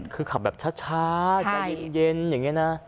คือขับแบบช้าใจเย็นอย่างนี้นะ